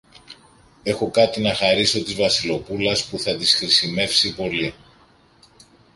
Έχω κάτι να χαρίσω της Βασιλοπούλας που θα της χρησιμεύσει πολύ.